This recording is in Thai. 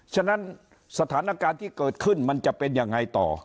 ฉะนั้นสถานการณ์ที่เกิดขึ้นมันจะเป็นยังไงต่อ